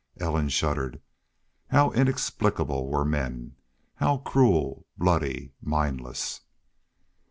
Ellen shuddered. How inexplicable were men! How cruel, bloody, mindless!